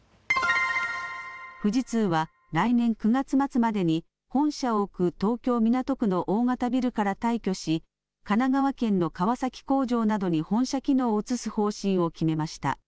富士通は来年９月末までに本社を置く東京港区の大型ビルから退去し神奈川県の川崎工場などに本社機能を移す方針を決めました。